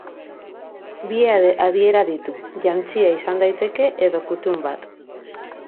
Bi adiera ditu: jantzia izan daiteke, edo kutun bat.